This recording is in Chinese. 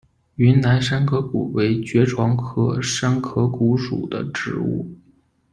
云南山壳骨为爵床科山壳骨属的植物。